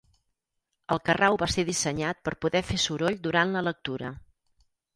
El carrau va ser dissenyat per poder fer soroll durant la lectura.